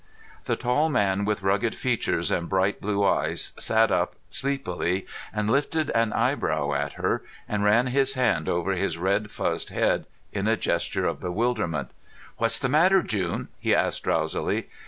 The tall man with rugged features and bright blue eyes sat up sleepily and lifted an eyebrow at her, and ran his hand over his red fuzzed head in a gesture of bewilderment. "What's the matter, June?" he asked drowsily.